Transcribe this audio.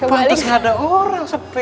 weh pantes nggak ada orang sepi